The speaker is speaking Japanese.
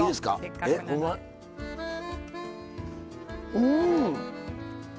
うん！